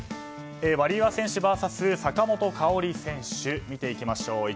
ワリエワ選手ＶＳ坂本花織選手見ていきましょう。